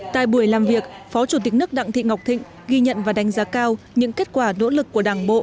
tại buổi làm việc phó chủ tịch nước đặng thị ngọc thịnh ghi nhận và đánh giá cao những kết quả nỗ lực của đảng bộ